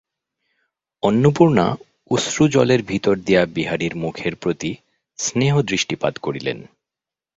অন্নপূর্ণা অশ্রুজলের ভিতর দিয়া বিহারীর মুখের প্রতি স্নেহদৃষ্টিপাত করিলেন।